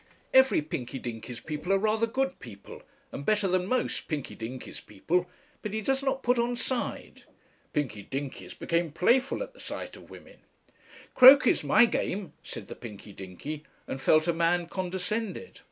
"Every Pinky Dinky's people are rather good people, and better than most Pinky Dinky's people. But he does not put on side." "Pinky Dinkys become playful at the sight of women." "'Croquet's my game,' said the Pinky Dinky, and felt a man condescended."